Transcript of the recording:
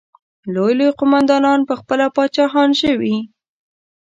لوی لوی قوماندانان پخپله پاچاهان شوي.